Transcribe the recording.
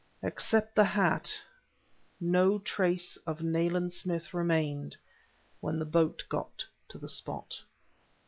Except the hat, no trace of Nayland Smith remained when the boat got to the spot.